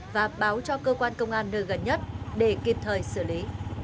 và báo cho cơ quan công an nơi gần nhất để kịp thời xử lý